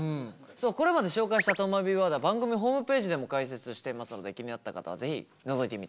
そうこれまで紹介したとまビワードは番組ホームページでも解説していますので気になった方は是非のぞいてみてください。